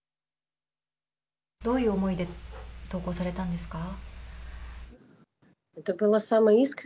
どういう思いで投稿されたんですか。